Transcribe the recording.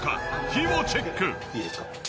火をチェック！